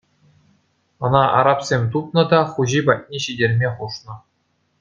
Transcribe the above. Ӑна арабсем тупнӑ та хуҫи патне ҫитерме хушнӑ.